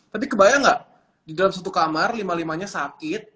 tapi kebayang nggak di dalam satu kamar lima limanya sakit